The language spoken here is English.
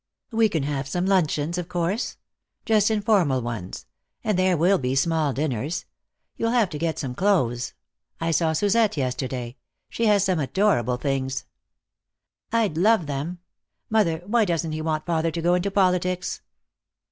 "We can have some luncheons, of course. Just informal ones. And there will be small dinners. You'll have to get some clothes. I saw Suzette yesterday. She has some adorable things." "I'd love them. Mother, why doesn't he want father to go into politics?"